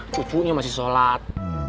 cucunya masih sholat